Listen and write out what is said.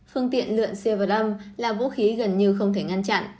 phương tiện lượn siêu vật âm là vũ khí gần như không thể ngăn chặn